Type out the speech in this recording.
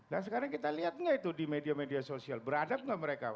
dan sekarang kita lihat gak itu di media media sosial beradab gak mereka